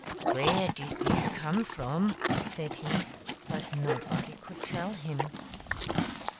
" Where did this come from ?" said he ; but nobody could tell him.